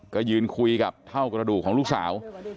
ก็ยืนคุยกับเท่ากระดูกของลูกสาว